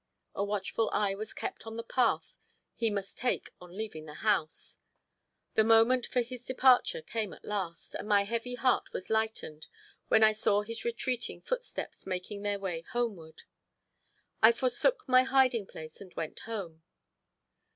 A watchful eye was kept on the path he must take on leaving the house. The moment for his departure came at last, and my heavy heart was lightened when I saw his retreating footsteps making their way homeward. I forsook my hiding place and went home.